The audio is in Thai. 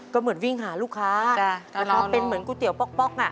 ก็เหมือนวิ่งหาลูกค้าเวลาเป็นเหมือนก๋วป๊อกอ่ะ